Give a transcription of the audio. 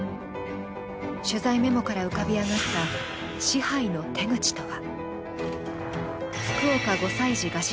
取材メモから浮かび上がった支配の手口とは。